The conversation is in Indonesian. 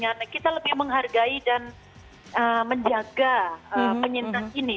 karena kita lebih menghargai dan menjaga penyintas ini